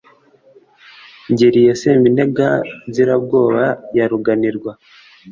Ngeri ya Seminega nzirzbwoba ya ruganirwa